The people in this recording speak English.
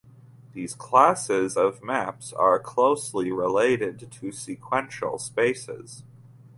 These classes of maps are closely related to sequential spaces.